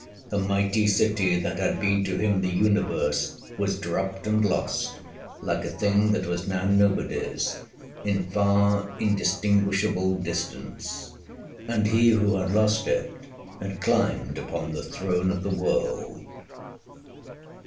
The mighty city that had been to him the universe, was dropped and lost, like a thing that was now nobody's, in far indistinguishable distance; and he who had lost it had climbed upon the throne of the world.